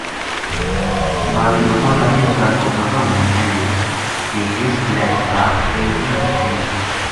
بارے لوکاں نا اس گل کو پتو ہونو چاہیے جے جس بِلے خوراک ٹھیک نیہہ ہوسے گی